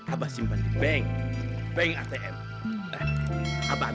abah ribu muh totem tempat selatan